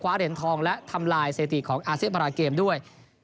ขวาเด่นทองและทำลายเสียที่ของอาเซียปราเกมด้วย